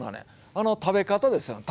あの食べ方ですよ。